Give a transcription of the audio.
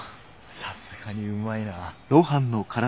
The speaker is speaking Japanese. さすがにうまいなぁ。